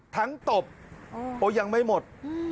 ทั้งตบโอ้ยยังไม่หมด